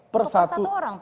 per satu orang